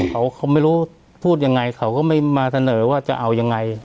เขาไม่รู้พูดยังไงเขาก็ไม่มาเสนอว่าจะเอายังไง